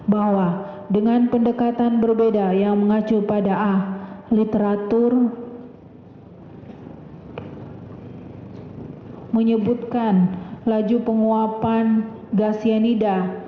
bahwa dengan pendekatan berbeda yang mengacu pada a literatur menyebutkan laju penguapan gas cyanida